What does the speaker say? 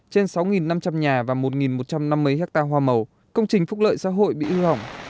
trên sáu năm trăm linh nhà và một một trăm năm mươi hectare hoa màu công trình phúc lợi xã hội bị hư hỏng